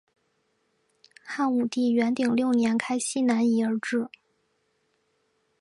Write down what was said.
汉武帝元鼎六年开西南夷而置。